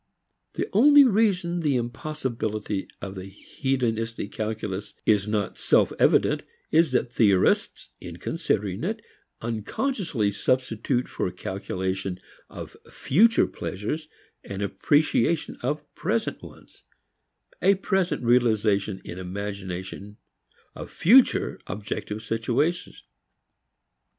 The only reason the impossibility of the hedonistic calculus is not self evident is that theorists in considering it unconsciously substitute for calculation of future pleasures an appreciation of present ones, a present realization in imagination of future objective situations.